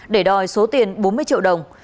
để đòi số tiền bốn mươi triệu đồng